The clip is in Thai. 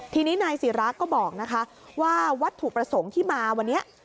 ทีนี้นายศิราก็บอกนะคะว่าวัตถุประสงค์ที่มาวันนี้